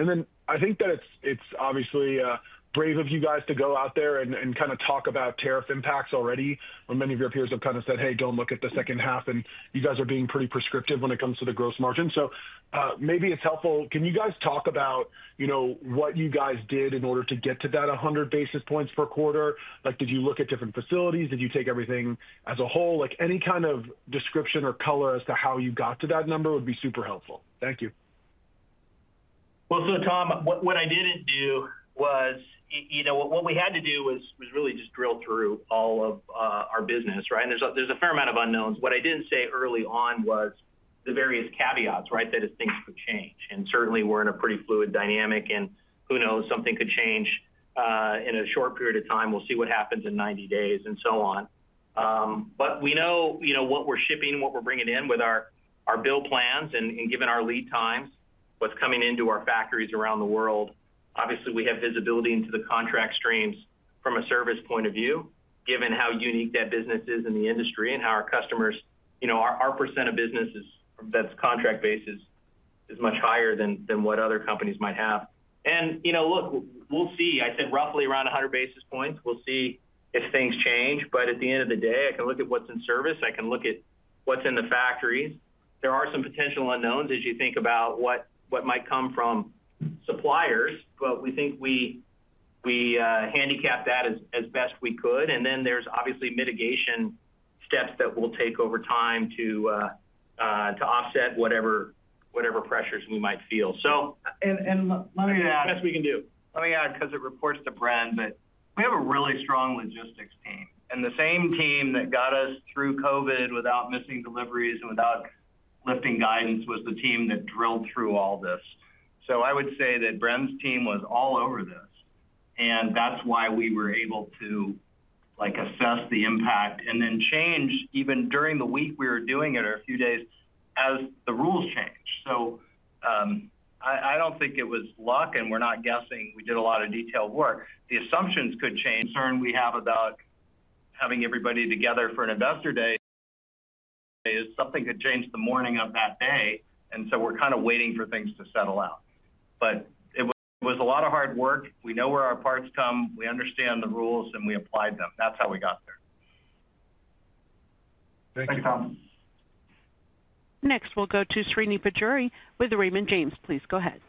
I think that it's obviously brave of you guys to go out there and kind of talk about tariff impacts already. When many of your peers have kind of said, "Hey, don't look at the second half," you guys are being pretty prescriptive when it comes to the gross margin. Maybe it's helpful. Can you guys talk about what you guys did in order to get to that 100 basis points per quarter? Did you look at different facilities? Did you take everything as a whole? Any kind of description or color as to how you got to that number would be super helpful. Thank you. Tom, what I didn't do was what we had to do was really just drill through all of our business, right? There's a fair amount of unknowns. What I didn't say early on was the various caveats, right, that if things could change. Certainly, we're in a pretty fluid dynamic, and who knows, something could change in a short period of time. We'll see what happens in 90 days and so on. We know what we're shipping, what we're bringing in with our bill plans, and given our lead times, what's coming into our factories around the world. Obviously, we have visibility into the contract streams from a service point of view, given how unique that business is in the industry and how our customers, our percent of business that's contract-based is much higher than what other companies might have. Look, we'll see. I said roughly around 100 basis points. We'll see if things change. At the end of the day, I can look at what's in service. I can look at what's in the factories. There are some potential unknowns as you think about what might come from suppliers, but we think we handicapped that as best we could. There are obviously mitigation steps that we'll take over time to offset whatever pressures we might feel. That is what we can do. Let me add, because it reports to Bren, that we have a really strong logistics team. The same team that got us through COVID without missing deliveries and without lifting guidance was the team that drilled through all this. I would say that Bren's team was all over this. That is why we were able to assess the impact and then change even during the week we were doing it or a few days as the rules changed. I do not think it was luck, and we are not guessing. We did a lot of detailed work. The assumptions could change. Concern we have about having everybody together for an investor day is something could change the morning of that day. We are kind of waiting for things to settle out. It was a lot of hard work. We know where our parts come. We understand the rules, and we applied them. That is how we got there. Thank you, Tom. Next, we'll go to Srini Pajjuri with Raymond James. Please go ahead.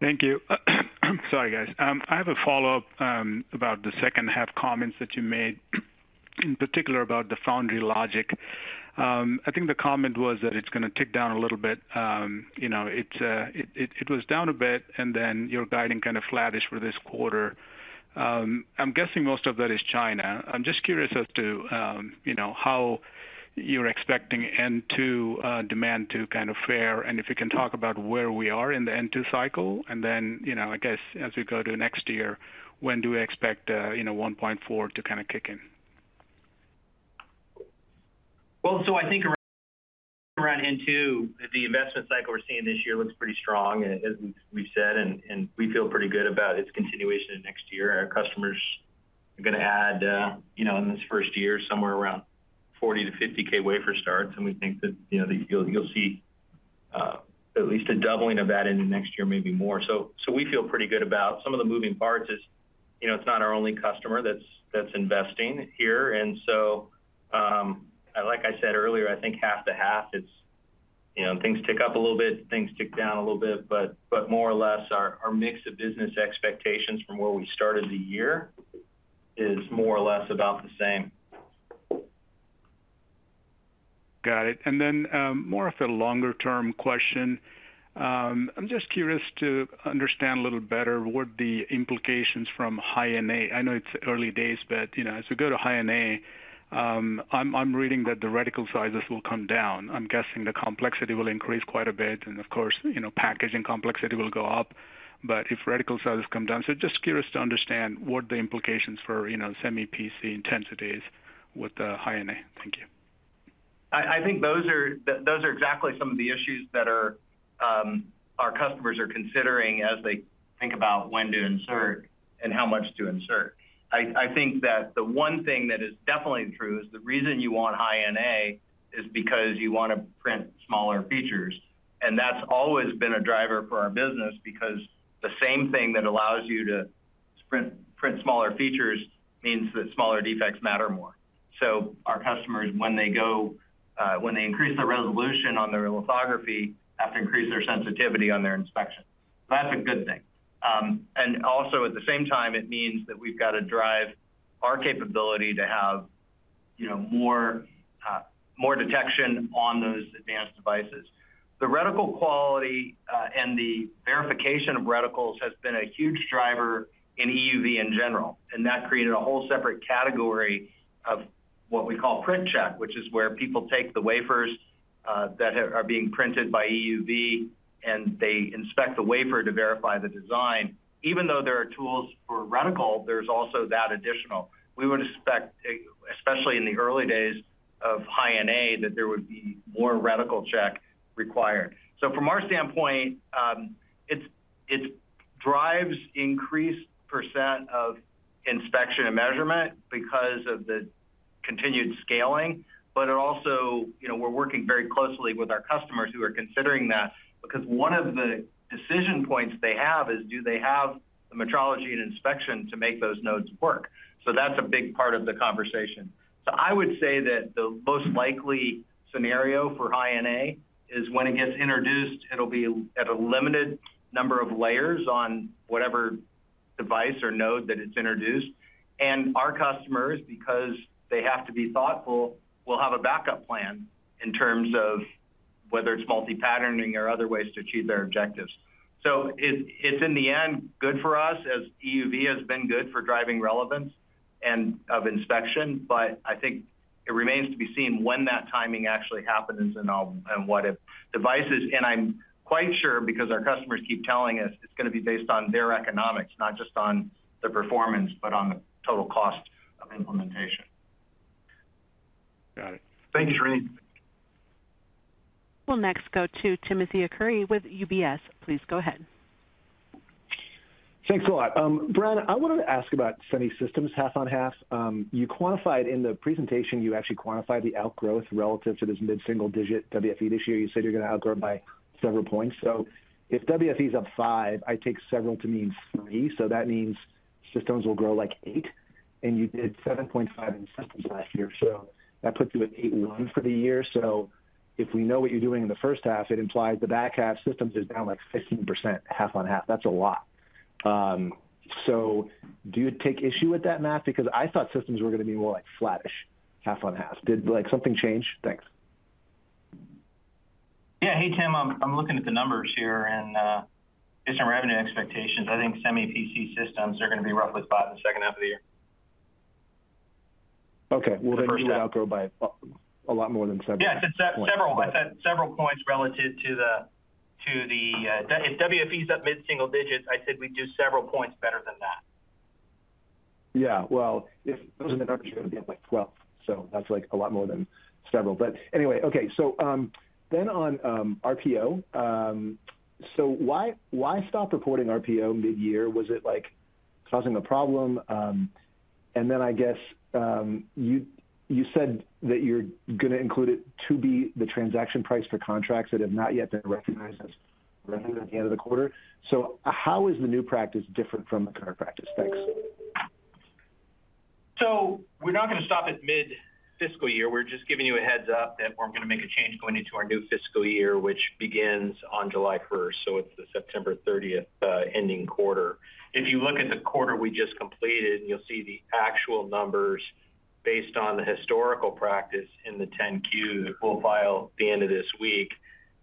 Thank you. Sorry, guys. I have a follow-up about the second half comments that you made, in particular about the foundry logic. I think the comment was that it's going to tick down a little bit. It was down a bit, and then your guiding kind of flattish for this quarter. I'm guessing most of that is China. I'm just curious as to how you're expecting N2 demand to kind of fare, and if you can talk about where we are in the N2 cycle. I guess as we go to next year, when do we expect 1.4 to kind of kick in? I think around N2, the investment cycle we're seeing this year looks pretty strong, as we've said, and we feel pretty good about its continuation next year. Our customers are going to add in this first year somewhere around 40-50K wafer starts. We think that you'll see at least a doubling of that in the next year, maybe more. We feel pretty good about some of the moving parts as it's not our only customer that's investing here. Like I said earlier, I think half to half, things tick up a little bit, things tick down a little bit. More or less, our mix of business expectations from where we started the year is more or less about the same. Got it. More of a longer-term question. I'm just curious to understand a little better what the implications from High NA. I know it's early days, but as we go to High NA, I'm reading that the reticle sizes will come down. I'm guessing the complexity will increase quite a bit. Of course, packaging complexity will go up. If reticle sizes come down, just curious to understand what the implications for Semi-PC intensities with the High NA. Thank you. I think those are exactly some of the issues that our customers are considering as they think about when to insert and how much to insert. I think that the one thing that is definitely true is the reason you want High NA is because you want to print smaller features. That's always been a driver for our business because the same thing that allows you to print smaller features means that smaller defects matter more. So our customers, when they increase the resolution on their lithography, have to increase their sensitivity on their inspection. That's a good thing. Also at the same time, it means that we've got to drive our capability to have more detection on those advanced devices. The reticle quality and the verification of reticles has been a huge driver in EUV in general. That created a whole separate category of what we call print check, which is where people take the wafers that are being printed by EUV, and they inspect the wafer to verify the design. Even though there are tools for reticle, there is also that additional. We would expect, especially in the early days of High NA, that there would be more reticle check required. From our standpoint, it drives increased % of inspection and measurement because of the continued scaling. We are also working very closely with our customers who are considering that because one of the decision points they have is do they have the metrology and inspection to make those nodes work. That is a big part of the conversation. I would say that the most likely scenario for High NA is when it gets introduced, it'll be at a limited number of layers on whatever device or node that it's introduced. Our customers, because they have to be thoughtful, will have a backup plan in terms of whether it's multi-patterning or other ways to achieve their objectives. It is in the end good for us as EUV has been good for driving relevance and of inspection. I think it remains to be seen when that timing actually happens and what devices. I'm quite sure because our customers keep telling us it's going to be based on their economics, not just on the performance, but on the total cost of implementation. Got it. Thank you, Srini. We'll next go to Timothy Arcuri with UBS. Please go ahead. Thanks a lot. Bren, I wanted to ask about semi-systems half on half. You quantified in the presentation, you actually quantified the outgrowth relative to this mid-single digit WFE this year. You said you're going to outgrow by several points. If WFE is up 5, I take several to mean 3. That means systems will grow like 8. You did 7.5 in systems last year. That puts you at 8.1 for the year. If we know what you're doing in the first half, it implies the back half systems is down like 15% half on half. That's a lot. Do you take issue with that math? I thought systems were going to be more like flattish half on half. Did something change? Thanks. Yeah. Hey, Tim. I'm looking at the numbers here and based on revenue expectations, I think Semi-PC systems are going to be roughly five in the second half of the year. Okay. You would outgrow by a lot more than seven. Yeah. Several points relative to the if WFE is up mid-single digits, I said we'd do several points better than that. Yeah. If those are the numbers, you're going to be up like 12. That's like a lot more than several. Anyway, okay. On RPO, why stop reporting RPO mid-year? Was it causing a problem? I guess you said that you're going to include it to be the transaction price for contracts that have not yet been recognized as revenue at the end of the quarter. How is the new practice different from the current practice? Thanks. We're not going to stop at mid-fiscal year. We're just giving you a heads-up that we're going to make a change going into our new fiscal year, which begins on July 1. It's the September 30 ending quarter. If you look at the quarter we just completed, you'll see the actual numbers based on the historical practice in the 10Q that we'll file at the end of this week.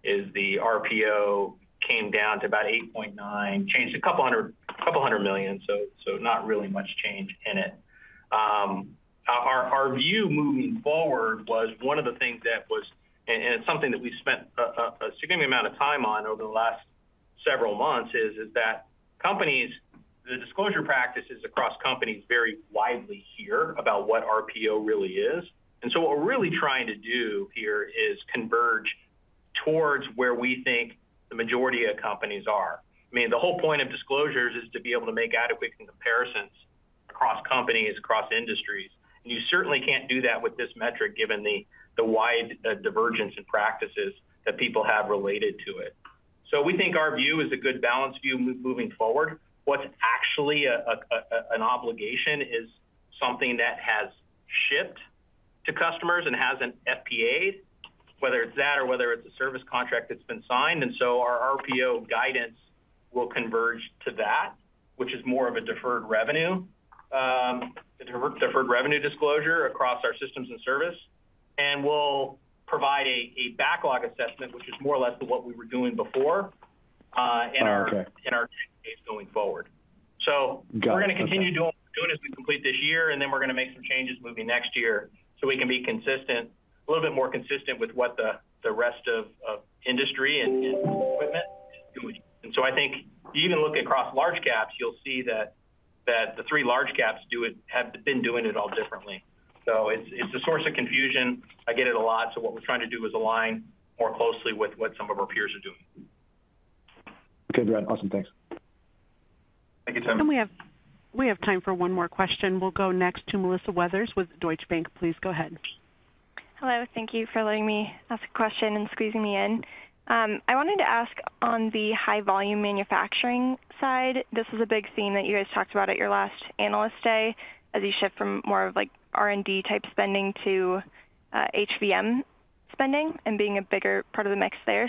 The RPO came down to about $8.9 billion, changed a couple hundred million. Not really much change in it. Our view moving forward was one of the things that was, and it's something that we spent a significant amount of time on over the last several months, is that companies, the disclosure practices across companies vary widely here about what RPO really is. What we're really trying to do here is converge towards where we think the majority of companies are. I mean, the whole point of disclosures is to be able to make adequate comparisons across companies, across industries. You certainly can't do that with this metric given the wide divergence in practices that people have related to it. We think our view is a good balance view moving forward. What's actually an obligation is something that has shipped to customers and hasn't FPA's, whether it's that or whether it's a service contract that's been signed. Our RPO guidance will converge to that, which is more of a deferred revenue disclosure across our systems and service. We'll provide a backlog assessment, which is more or less than what we were doing before in our 10Ks going forward. We're going to continue doing what we're doing as we complete this year, and then we're going to make some changes moving next year so we can be a little bit more consistent with what the rest of industry and equipment is doing. I think you even look across large caps, you'll see that the three large caps have been doing it all differently. It's a source of confusion. I get it a lot. What we're trying to do is align more closely with what some of our peers are doing. Okay, Brian. Awesome. Thanks. Thank you, Tim. We have time for one more question. We'll go next to Melissa Weathers with Deutsche Bank. Please go ahead. Hello. Thank you for letting me ask a question and squeezing me in. I wanted to ask on the high-volume manufacturing side. This is a big theme that you guys talked about at your last analyst day as you shift from more of R&D-type spending to HBM spending and being a bigger part of the mix there.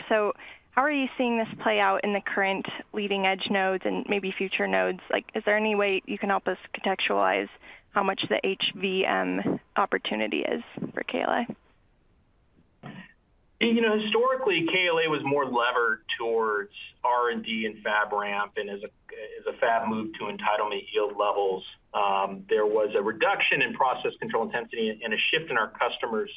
How are you seeing this play out in the current leading-edge nodes and maybe future nodes? Is there any way you can help us contextualize how much the HBM opportunity is for KLA? Historically, KLA was more levered towards R&D and Fab Ramp. As a Fab moved to entitlement yield levels, there was a reduction in process control intensity and a shift in our customer's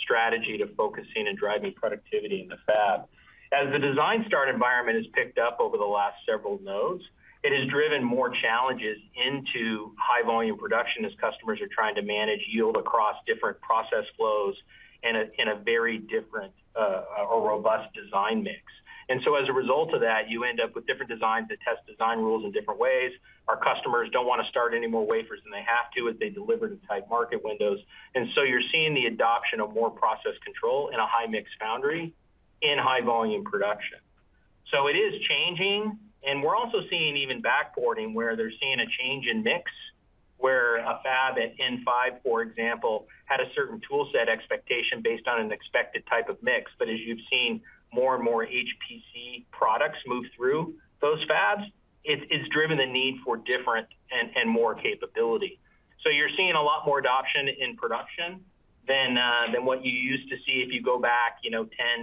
strategy to focusing and driving productivity in the Fab. As the design start environment has picked up over the last several nodes, it has driven more challenges into high-volume production as customers are trying to manage yield across different process flows in a very different or robust design mix. As a result of that, you end up with different designs that test design rules in different ways. Our customers do not want to start any more wafers than they have to if they deliver to tight market windows. You are seeing the adoption of more process control in a high-mix foundry in high-volume production. It is changing. We're also seeing even backboarding where they're seeing a change in mix where a Fab at N5, for example, had a certain toolset expectation based on an expected type of mix. As you've seen more and more HPC products move through those Fabs, it's driven the need for different and more capability. You are seeing a lot more adoption in production than what you used to see if you go back 10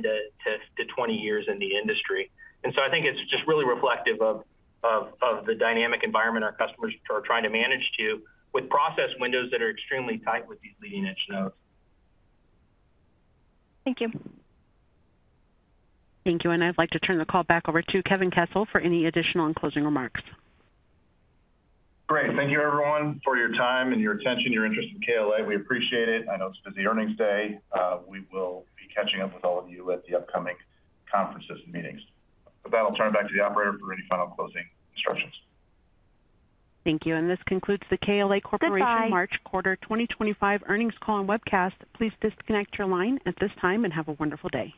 to 20 years in the industry. I think it's just really reflective of the dynamic environment our customers are trying to manage to with process windows that are extremely tight with these leading-edge nodes. Thank you. Thank you. I would like to turn the call back over to Kevin Kessel for any additional and closing remarks. Great. Thank you, everyone, for your time and your attention, your interest in KLA. We appreciate it. I know it's busy earnings day. We will be catching up with all of you at the upcoming conferences and meetings. With that, I'll turn it back to the operator for any final closing instructions. Thank you. This concludes the KLA Corporation March Quarter 2025 Earnings Call and Webcast. Please disconnect your line at this time and have a wonderful day.